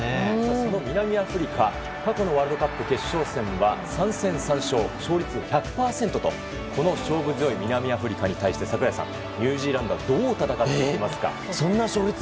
その南アフリカ過去のワールドカップ決勝戦は３戦３勝、勝率１００％とこの勝負強い南アフリカに対して櫻井さんニュージーランドはどう戦っていきますか？